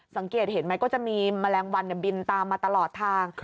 สังเกตเห็นไหมก็จะมีแมลงวันบินตามมาตลอดทาง